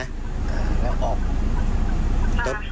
ตกลงว่าหนูทำจริงนะ